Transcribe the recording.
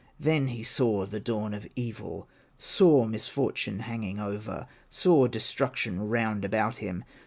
Then he saw the dawn of evil, Saw misfortune hanging over, Saw destruction round about him.